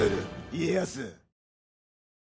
家康。